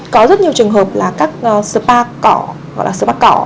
có rất nhiều trường hợp là các spa cỏ gọi là spa cỏ